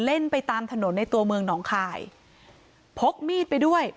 เล่นไปตามถนนในตัวเมืองหนองคายพกมีดไปด้วย